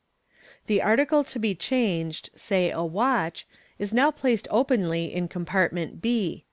The article to be changed (say a watch) is now placed openly in compartment b.